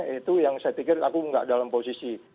itu yang saya pikir aku nggak dalam posisi